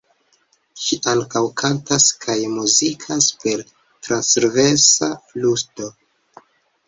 Ŝi ankaŭ kantas kaj muzikas per transversa fluto.